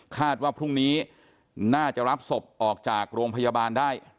ว่าพรุ่งนี้น่าจะรับศพออกจากโรงพยาบาลได้